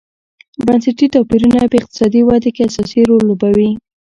بنسټي توپیرونه په اقتصادي ودې کې اساسي رول لوبوي.